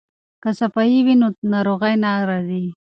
که صفايي وي نو ناروغي نه راځي.